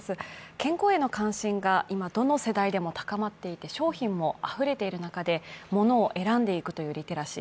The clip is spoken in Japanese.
健康への関心が、今どの世代でも高まっていて、商品もあふれている中で物を選んでいくというリテラシー